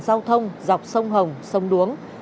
giao thông dọc sông hồng sông đuống